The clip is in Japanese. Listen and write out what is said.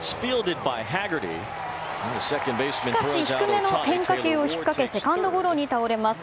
しかし低めの変化球をひっかけセカンドゴロに倒れます。